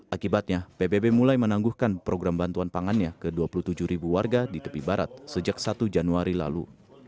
akibatnya pbb mulai menangguhkan program bantuan pangannya ke dua puluh tujuh ribu warga di tepi barat sejak satu januari lalu